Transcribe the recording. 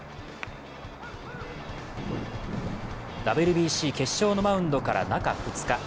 ＷＢＣ決勝のマウンドから中２日。